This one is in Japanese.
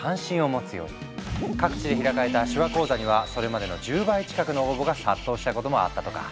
各地で開かれた手話講座にはそれまでの１０倍近くの応募が殺到したこともあったとか。